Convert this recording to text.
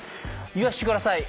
言わして下さい。